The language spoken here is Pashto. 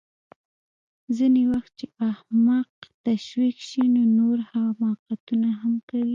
ځینې وخت چې احمق تشویق شي نو نور حماقتونه هم کوي